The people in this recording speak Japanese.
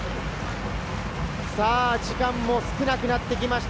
時間も少なくなってきました。